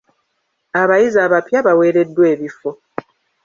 Abayizi abapya baweereddwa ebifo.